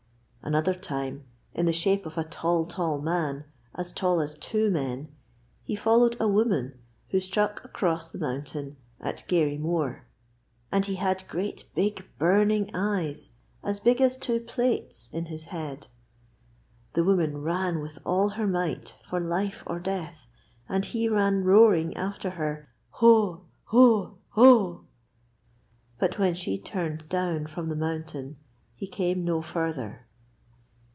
Another time, in the shape of a tall, tall man, as tall as two men, he followed a woman who struck across the mountain at Garey mooar, and he had great, big, burning eyes, as big as two plates, in his head. The woman ran with all her might, for life or death, and he ran roaring after her: 'Hoa, hoa, hoa!' But when she turned down from the mountain he came no further.